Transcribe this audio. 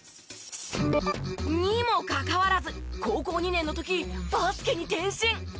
にもかかわらず高校２年の時バスケに転身。